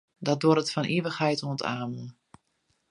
Dat duorret fan ivichheid oant amen.